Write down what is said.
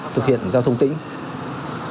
thực hiện giao thông tính